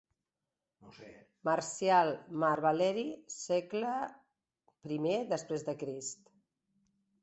Marcial, Marc Valeri s. i dC.